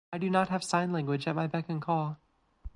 I do not have sign language at my beck and call.